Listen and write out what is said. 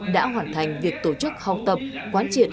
đã hoàn thành việc tổ chức học tập quán triệt